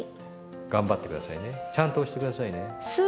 頑張って下さいねちゃんと押して下さいね。